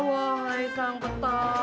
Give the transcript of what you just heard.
wahai sang peta